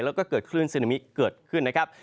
แล้วก็เกิดคลื่นซึนามิเกิดขึ้นนะครับ